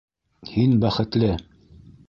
Һин бәхетле...